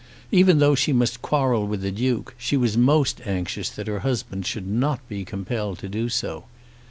Even though she must quarrel with the Duke, she was most anxious that her husband should not be compelled to do so.